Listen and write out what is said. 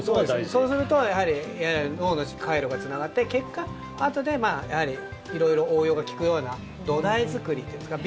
そうすると脳の回路がつながって結果、あとでやはり色々応用が利くような土台作りというんですか。